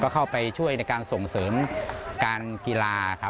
เข้าไปช่วยในการส่งเสริมการกีฬาครับ